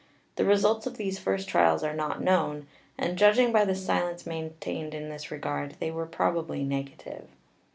The results of these first trials are not known, and judging by the silence maintained in this regard they were probably negative.